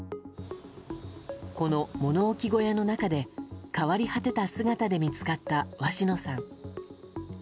この物置小屋の中で変わり果てた姿で見つかった鷲野さん。